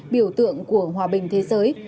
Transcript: biểu tượng của hòa bình thế giới